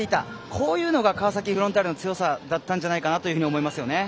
こういうのが川崎フロンターレの強さだったんじゃないかなと思いますね。